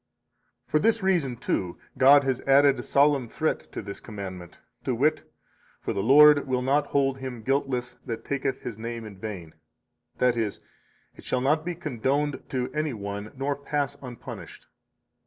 57 For this reason, too, God has added a solemn threat to this commandment, to wit: For the Lord will not hold him guiltless that taketh His name in vain. That is: It shall not be condoned to any one nor pass unpunished.